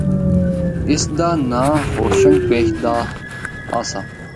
اس دا ناں’ہوشنگ پیشداد‘ آسا۔